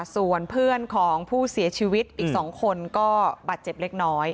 ส่วนเพื่อนของผู้เสียชีวิตอีก๒คนก็บาดเจ็บเล็กน้อย